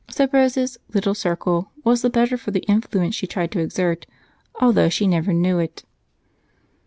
So Rose's "little circle" was the better for the influence she tried to exert, although she never knew it.